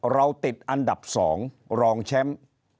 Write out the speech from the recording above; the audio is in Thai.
เราติดอันดับสองรองแชมป์